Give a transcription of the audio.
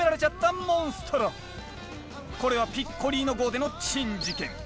次はこれはピッコリーノ号での珍事件。